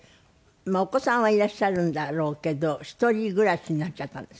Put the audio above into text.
お子さんはいらっしゃるんだろうけど一人暮らしになっちゃったんですって？